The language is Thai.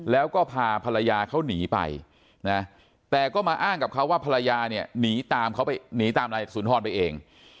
แล้วก็พาภรรยาเขาหนีไปนะแต่ก็มาอ้างกับเขาว่าภรรยาเนี่ยหนีตามเขาหนีตามนายสุนทรไปเอง